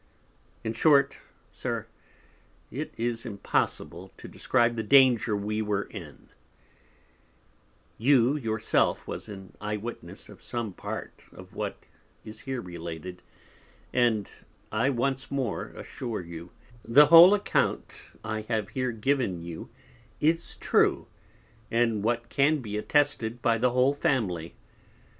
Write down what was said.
In short, Sir, it is impossible to describe the Danger we were in; you your self was an Eye witness of some Part of what is here related; and I once more assure you, the whole Account I have here given you is true, and what can be attested by the whole Family.